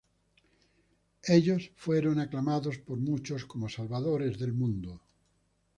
Ellos fueron aclamados por muchos como salvadores del mundo.